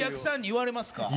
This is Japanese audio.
言われます。